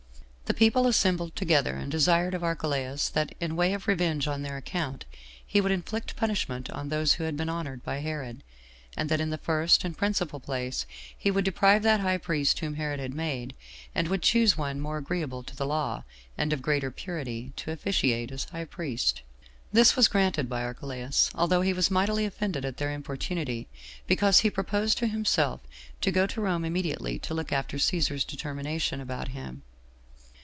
The people assembled together, and desired of Archelaus, that, in way of revenge on their account, he would inflict punishment on those who had been honored by Herod; and that, in the first and principal place, he would deprive that high priest whom Herod had made, and would choose one more agreeable to the law, and of greater purity, to officiate as high priest. This was granted by Archelaus, although he was mightily offended at their importunity, because he proposed to himself to go to Rome immediately to look after Cæsar's determination about him.